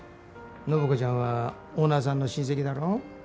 暢子ちゃんはオーナーさんの親戚だろ。